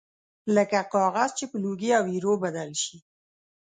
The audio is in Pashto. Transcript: لکه کاغذ چې په لوګي او ایرو بدل شي